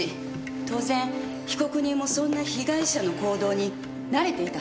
当然被告人もそんな被害者の行動に慣れていたはずです。